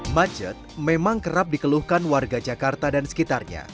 macet memang kerap dikeluhkan warga jakarta dan sekitarnya